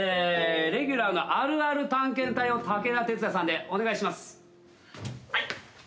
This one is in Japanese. レギュラーの「あるある探検隊」を武田鉄矢さんでお願いします。